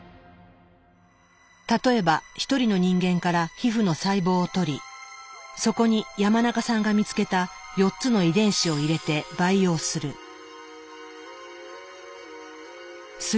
例えば一人の人間から皮膚の細胞を取りそこに山中さんが見つけた４つの遺伝子を入れて培養する。